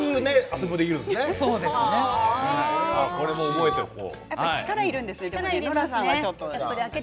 これも覚えておこう。